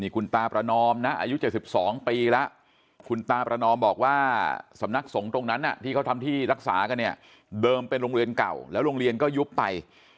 คุณตาประนอมนะอายุ๗๒ปีแล้วคุณตาประนอมบอกว่าสำนักสงฆ์ตรงนั้นที่เขาทำที่รักษากันเนี่ยเดิมเป็นโรงเรียนเก่าแล้วโรงเรียนก็ยุบไป